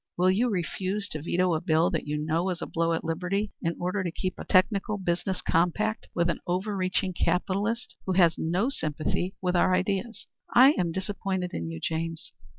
Will you refuse to veto a bill which you know is a blow at liberty in order to keep a technical business compact with an over reaching capitalist, who has no sympathy with our ideas? I am disappointed in you, James.